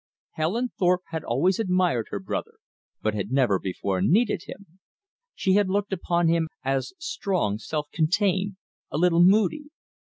Helen Thorpe had always admired her brother, but had never before needed him. She had looked upon him as strong, self contained, a little moody.